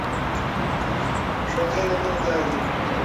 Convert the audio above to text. ښوونځی د مینې ځای دی.